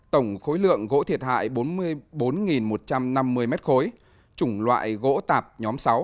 tổng khối lượng gỗ thiệt hại bốn mươi bốn một trăm năm mươi m ba chủng loại gỗ tạp nhóm sáu